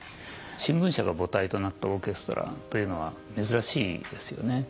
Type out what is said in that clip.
新聞社が母体となったオーケストラというのは珍しいですよね。